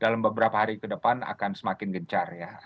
dalam beberapa hari ke depan akan semakin gencar ya